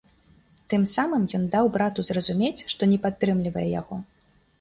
Тым самым ён даў брату зразумець, што не падтрымлівае яго.